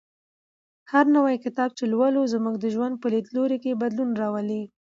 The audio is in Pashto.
هر نوی کتاب چې لولو زموږ د ژوند په لیدلوري کې بدلون راولي.